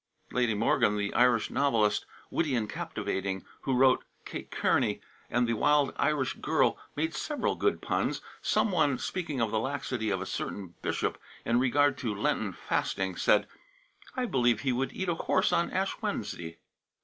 Lady Morgan, the Irish novelist, witty and captivating, who wrote "Kate Kearney" and the "Wild Irish Girl," made several good puns. Some one, speaking of the laxity of a certain bishop in regard to Lenten fasting, said: "I believe he would eat a horse on Ash Wednesday."